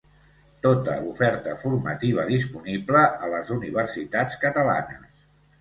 Tota l'oferta formativa disponible a les universitats catalanes.